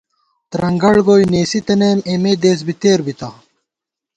ترنگڑگوئی نېسِی تنَئیم، اېمےدېسبی تېربِتہ